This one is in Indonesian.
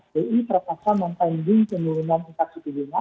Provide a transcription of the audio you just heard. bi terpaksa mencending penurunan tingkat c lima